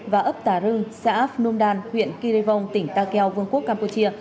và ấp tà rư xã áp nôm đàn huyện kỳ rê vông tỉnh ta kèo vương quốc campuchia